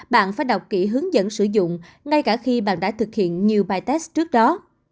bạn phải đọc kỹ hướng dẫn sử dụng ngay cả khi bạn đã thực hiện như bài tes trước đó